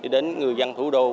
đến người dân thủ đô